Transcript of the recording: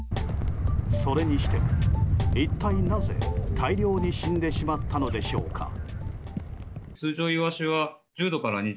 それにしても、一体なぜ大量に死んでしまったのでしょうか。